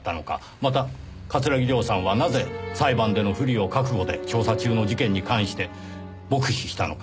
また桂木涼さんはなぜ裁判での不利を覚悟で調査中の事件に関して黙秘したのか。